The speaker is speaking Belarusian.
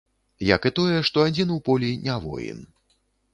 Як і тое, што адзін у полі не воін.